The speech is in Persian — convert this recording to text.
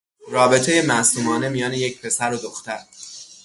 رابطهی معصومانه میان یک پسر و دختر